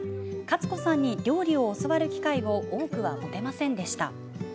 カツ子さんに料理を教わる機会を多くは持てませんでした。